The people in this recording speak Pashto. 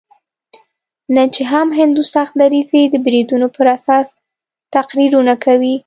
نن چې هم هندو سخت دریځي د بریدونو په اساس تقریرونه کوي.